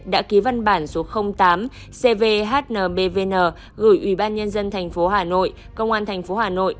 đã ký văn bản số tám cvhnbvn gửi ủy ban nhân dân thành phố hà nội công an tp hà nội